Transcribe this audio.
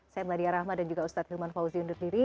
saya meladia rahma dan juga ustadz hilman fauzi undur diri